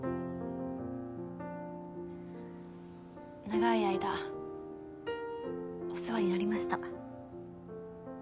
長い間お世話になりました。